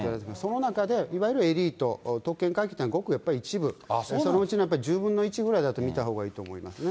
その中で、いわゆるエリート、特権階級というのは、極やっぱり一部、そのうちの１０分の１ぐらいだと見たほうがいいと思いますね。